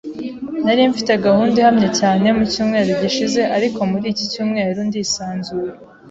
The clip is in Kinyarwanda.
Nari mfite gahunda ihamye cyane mucyumweru gishize, ariko muri iki cyumweru ndisanzuye.